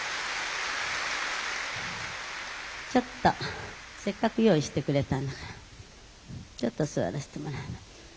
「ちょっとせっかく用意してくれたんだからちょっと座らせてもらうわ。